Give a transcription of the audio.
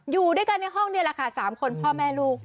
อยู่ด้วยกันในห้องนี่แหละค่ะ๓คนพ่อแม่ลูก